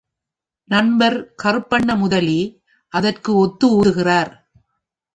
நண்பர் கறுப்பண்ண முதலி அதற்கு ஒத்து ஊதுகிறார்.